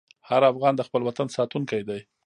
هر افغان د خپل وطن ساتونکی دی.